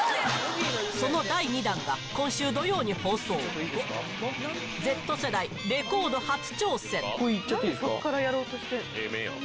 その第２弾が今週土曜に放送Ｚ世代レコード初挑戦いっちゃっていいですか？